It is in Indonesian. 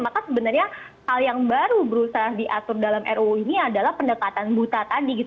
maka sebenarnya hal yang baru berusaha diatur dalam ruu ini adalah pendekatan buta tadi